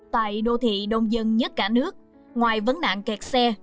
tại đô thị đông dân nhất cả nước ngoài vấn nạn kẹt xe